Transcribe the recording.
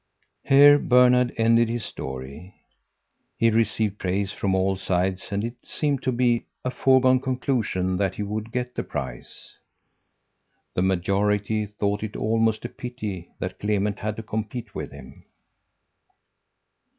Here Bernhard ended his story. He received praise from all sides and it seemed to be a foregone conclusion that he would get the prize. The majority thought it almost a pity that Clement had to compete with him.